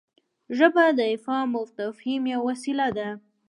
ژبه د افهام او تفهیم یوه وسیله ده.